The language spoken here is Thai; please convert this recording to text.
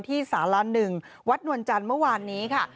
สาร๑วัดนวลจันทร์เมื่อวานนี้ค่ะ